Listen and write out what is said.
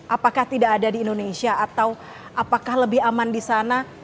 apakah tidak ada di indonesia atau apakah lebih aman di sana